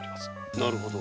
なるほど。